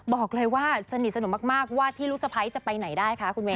บอกเลยว่าสนิทสนมมากว่าที่ลูกสะพ้ายจะไปไหนได้คะคุณเวย